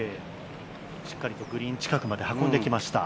しっかりとグリーン近くまで運んできました。